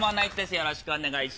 よろしくお願いします。